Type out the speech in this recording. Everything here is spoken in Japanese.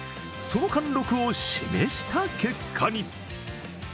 その貫禄を示した結果に。